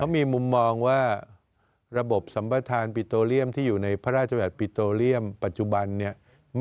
มีมุมมองว่าระบบสัมประธานปิโตเรียมที่อยู่ในพระราชบัติปิโตเรียมปัจจุบันเนี่ย